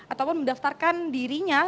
ataupun mendaftarkan dirinya